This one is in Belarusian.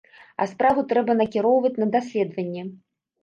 А справу трэба накіроўваць на даследаванне.